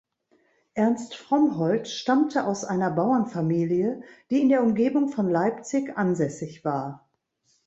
Ernst Frommhold stammte aus einer Bauernfamilie, die in der Umgebung von Leipzig ansässig war.